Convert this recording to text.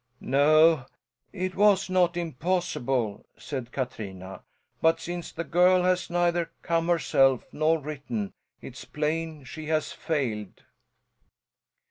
"No, it was not impossible," said Katrina, "but since the girl has neither come herself nor written it's plain she has failed."